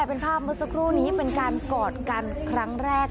เป็นภาพเมื่อสักครู่นี้เป็นการกอดกันครั้งแรก